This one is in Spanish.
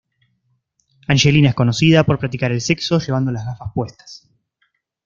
Angelina es conocida por practicar el sexo llevando las gafas puestas.